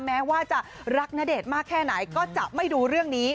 แม้ว่าจะรักณเดชน์มากแค่ไหนก็จะไม่ดูเรื่องนี้